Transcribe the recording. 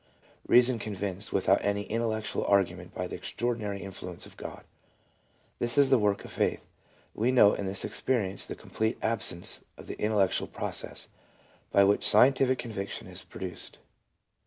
'\ Reason convinced without any intellectual argument by the extraordinary influence of God : this is the work of Faith. We note in this experience the complete absence of the intel lectual process by which scientific conviction is produced.